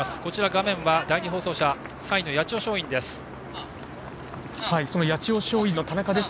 画面は第２放送車の３位の八千代松陰です。